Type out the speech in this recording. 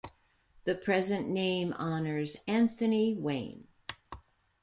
The present name honors Anthony Wayne.